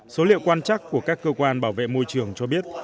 số liệu quan chắc của các cơ quan bảo vệ môi trường cho biết